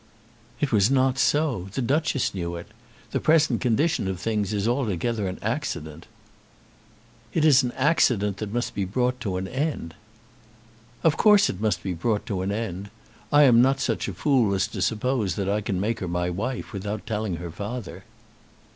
"It was not so. The Duchess knew it. The present condition of things is altogether an accident." "It is an accident that must be brought to an end." "Of course it must be brought to an end. I am not such a fool as to suppose that I can make her my wife without telling her father."